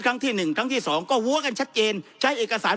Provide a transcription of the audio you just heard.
การล้างท้องใช้อย่างนั้น